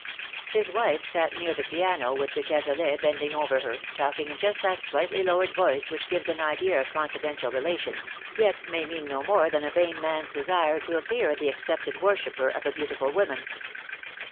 124 His wife sat near the piano witli de Cazalet bending over her_, talking in just that slightly lowered voice which gives an idea of confidential relation Sj yet may mean no more than a vain man's desire to appear the accepted worshipper of a beautiful woman.